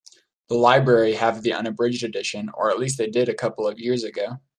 The library have the unabridged edition, or at least they did a couple of years ago.